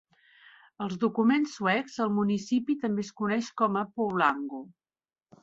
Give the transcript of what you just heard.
Als documents suecs, el municipi també es coneix com a "Puolango".